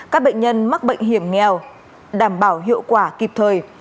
các bệnh nhân mắc bệnh hiểm nghèo đảm bảo hiệu quả kịp thời